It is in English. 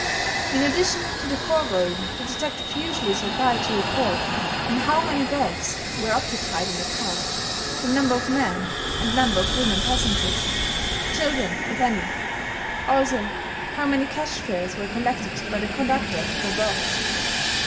In addition to the foregoing the detective usually is required to report on how many berths were occupied in the car, the number of men and number of women passengers, children if any, also how many cash fares were collected by the conductor for berths.